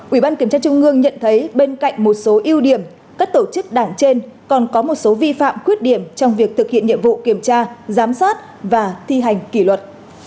ủy ban kiểm tra trung ương nhận thấy bên cạnh một số ưu điểm các tổ chức đảng trên còn có một số vi phạm khuyết điểm trong việc thực hiện nhiệm vụ kiểm tra giám sát và thi hành kỷ luật